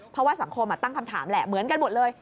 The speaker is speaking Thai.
เพราะว่าสังคมตั้งคำถามแหละเหมือนกันหมดเลย